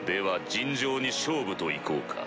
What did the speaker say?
尋常に勝負といこうか。